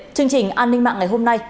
chương trình an ninh mạng ngày hôm nay